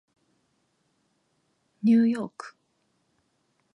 ニューヨーク